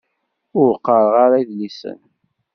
Ur qqaṛeɣ ara idlisen.